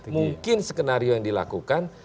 mungkin skenario yang dilakukan